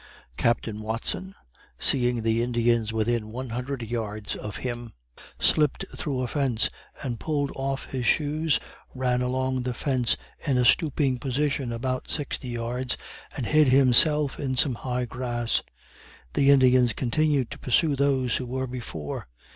Captain Watson, seeing the Indians within one hundred yards of him, slipped through a fence, pulled off his shoes, ran along the fence in a stooping position about sixty yards, and hid himself in some high grass. The Indians continued to pursue those who were before.